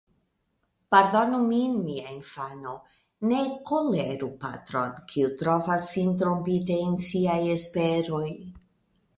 Pardonu min, mia infano; ne koleru patron, kiu trovas sin trompita en siaj esperoj.